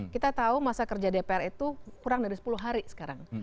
kita tahu masa kerja dpr itu kurang dari sepuluh hari sekarang